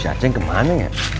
si aceh kemana ya